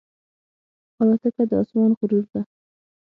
الوتکه د آسمان غرور ده.